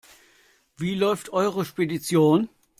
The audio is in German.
Wie läuft eure Spedition?